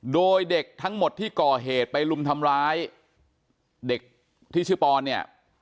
โดยเด็กทั้งหมดที่ก่อเหตุไปลุมทำร้ายเด็กที่ชื่อปอนเนี่ย